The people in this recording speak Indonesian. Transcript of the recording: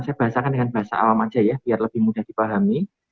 saya bahasakan dengan bahasa awam aja ya biar lebih mudah dipahami